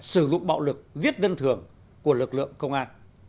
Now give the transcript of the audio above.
sử dụng bạo lực giết dân thường của lực lượng công an